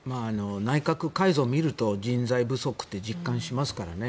内閣改造を見ると人材不足って実感しますからね。